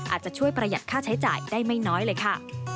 อาจจะช่วยประหยัดค่าใช้จ่ายได้ไม่น้อยเลยค่ะ